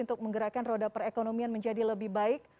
untuk menggerakkan roda perekonomian menjadi lebih baik